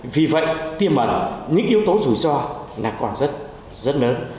vì vậy tia mật những yếu tố rủi ro là còn rất rất lớn